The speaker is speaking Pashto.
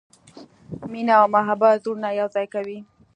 مینه او محبت زړونه یو ځای کوي.